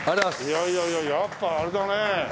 いやいやいややっぱあれだね。